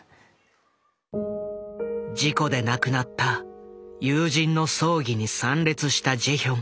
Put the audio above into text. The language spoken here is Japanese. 事故で亡くなった友人の葬儀に参列したジェヒョン。